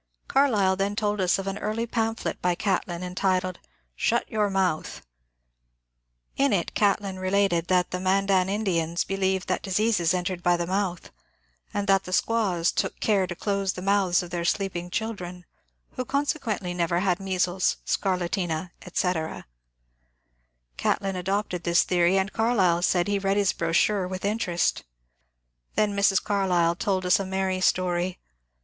Carlyle then told us of an early pamphlet by Catlin entitled ^^ Shut your mouth !" In it Catlin related that the Mandan Indians be lieved that diseases entered by the mouth, and that the squaws took care to close the mouths of their sleeping children, who consequently never had measles, scarlatina, etc. Catlin adopted this theory, and Carlyle said he read his brochure with inter est. Then Mrs. Carlyle told us a merry story.